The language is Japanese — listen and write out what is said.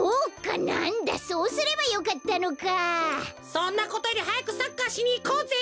そんなことよりはやくサッカーしにいこうぜ！